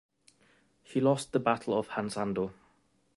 He lost the battle of Hansando.